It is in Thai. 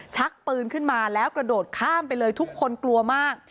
ชักปืนขึ้นมาแล้วกระโดดข้ามไปเลยทุกคนกลัวมาก